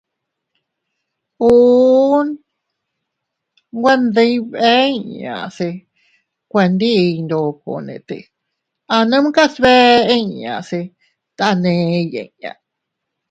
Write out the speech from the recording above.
Uʼu.- Nwe ndibeʼn inña se kuendi ndokone te anumkas bee inña se taney inña.